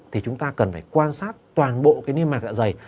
thì chúng ta cần phải quan sát toàn bộ cái niêm mạc dạ dày